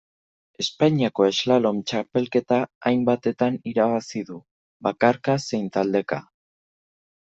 Espainiako slalom txapelketa hainbatetan irabazi du, bakarka zein taldeka.